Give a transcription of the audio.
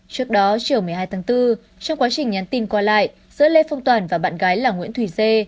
trước đó chiều một mươi hai tháng bốn trong quá trình nhắn tin qua lại giữa lê phương toàn và bạn gái là nguyễn thủy dê